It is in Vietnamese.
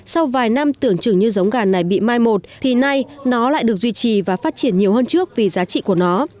sau vài năm tưởng chừng như giống gà này bị mai một thì nay nó lại được duy trì và phát triển nhiều hơn trước vì giá trị của nó